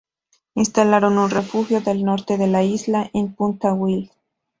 Instalaron un refugio al norte de la isla, en Punta Wild.